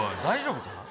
大丈夫か？